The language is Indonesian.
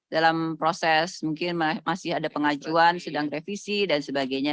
dalam proses mungkin masih ada pengajuan sedang revisi dan sebagainya